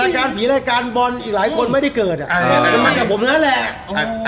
แต่พี่รายการบอลอีกหลายคนไม่ได้เกิดมันมากับผมนั้นแหละ